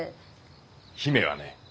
姫はね